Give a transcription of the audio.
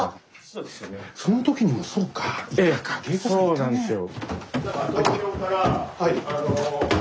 そうなんですよ。